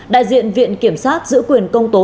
đại diện viện kiểm sát giữ quyền công tố